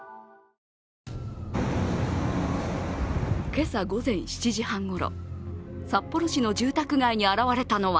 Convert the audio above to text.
今朝、午前７時半ごろ、札幌市の住宅街に現れたのは